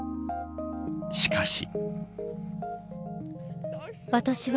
しかし。